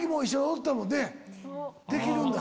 できるんだ。